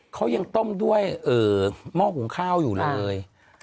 เขายังต้มด้วยหม้อหุงข้าวอยู่เลย